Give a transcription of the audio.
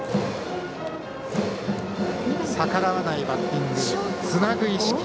逆らわないバッティングつなぐ意識。